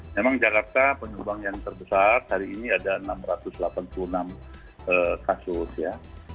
memang jakarta penyumbang yang terbesar hari ini ada enam ratus delapan puluh enam kasus ya